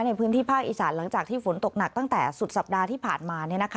ในพื้นที่ภาคอีสานหลังจากที่ฝนตกหนักตั้งแต่สุดสัปดาห์ที่ผ่านมา